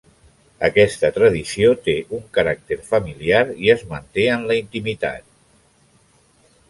Aquesta tradició té un caràcter familiar i es manté en la intimitat.